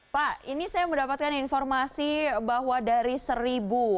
pak ini saya mendapatkan informasi bahwa dari seribu